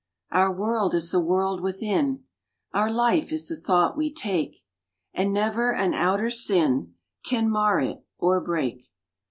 Our world is the world within, Our life is the thought we take, And never an outer sin Can mar it or break.